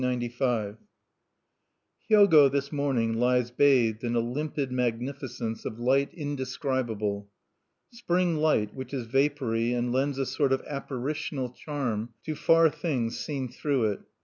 Hyogo, this morning, lies bathed in a limpid magnificence of light indescribable, spring light, which is vapory, and lends a sort of apparitional charm to far things seen through it.